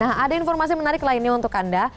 nah ada informasi menarik lainnya untuk anda